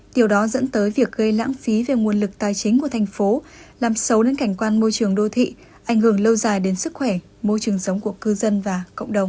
điều đó dẫn tới việc gây lãng phí về nguồn lực tài chính của thành phố làm xấu đến cảnh quan môi trường đô thị ảnh hưởng lâu dài đến sức khỏe môi trường sống của cư dân và cộng đồng